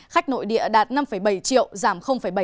khách nội địa đạt năm bảy triệu giảm bảy